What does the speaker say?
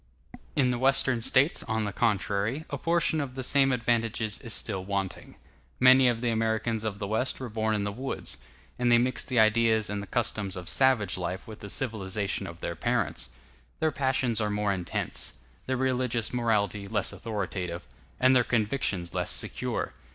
In the Western States, on the contrary, a portion of the same advantages is still wanting. Many of the Americans of the West were born in the woods, and they mix the ideas and the customs of savage life with the civilization of their parents. Their passions are more intense; their religious morality less authoritative; and their convictions less secure.